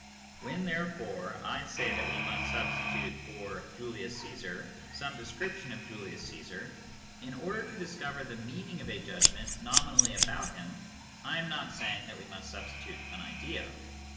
When, therefore, I say that we must substitute for "Julius Caesar" some description of Julius Caesar, in order / KNOWLEDGE BY ACQUAINTANCE 223 to discover the meaning of a judgment nominally about him, I am not saying that we must substitute an idea.